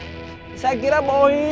ini arahnya pungki dari dua orang doty